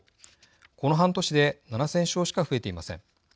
この半年で７０００床しか増えていません。